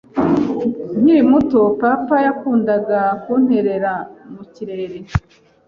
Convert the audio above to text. Nkiri muto, papa yakundaga kunterera mu kirere.